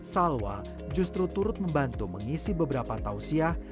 salwa justru turut membantu mengisi beberapa tausiah